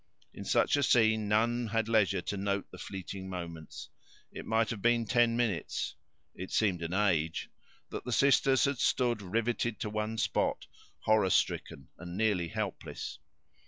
In such a scene none had leisure to note the fleeting moments. It might have been ten minutes (it seemed an age) that the sisters had stood riveted to one spot, horror stricken and nearly helpless.